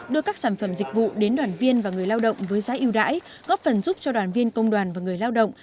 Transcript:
đưa các sản phẩm dịch vụ đến đoàn viên và người lao động với giá yêu đãi góp phần giúp cho đoàn viên công đoàn và người lao động